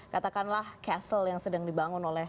katakanlah castle yang sedang dibangun oleh